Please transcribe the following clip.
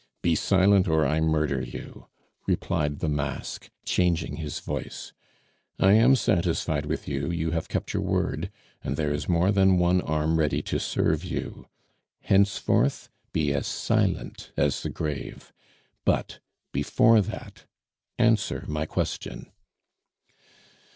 "Be silent or I murder you," replied the mask, changing his voice. "I am satisfied with you, you have kept your word, and there is more than one arm ready to serve you. Henceforth be as silent as the grave; but, before that, answer my question."